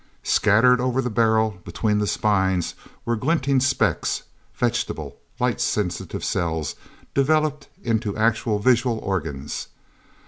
Scattered over the barrel, between the spines, were glinting specks vegetable, light sensitive cells developed into actual visual organs.